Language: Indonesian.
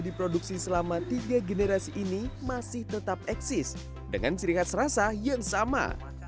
diproduksi selama tiga generasi ini masih tetap eksis dengan sirikat serasa yang sama